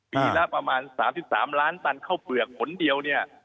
ปีละประมาณ๓๓ล้านตันข้าวเปลือกผลเดียวเนี่ย